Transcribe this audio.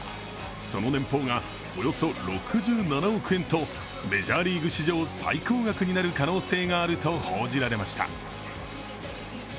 その年俸がおよそ６７億円とメジャーリーグ史上最高額になる可能性があると報じられました。